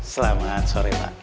selamat sore pak